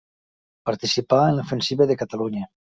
Participà en l'ofensiva de Catalunya.